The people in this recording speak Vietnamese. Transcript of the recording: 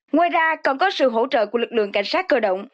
ngoài ra còn có sự hỗ trợ của lực lượng cảnh sát cơ động